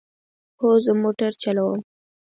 هو، زه موټر چلوم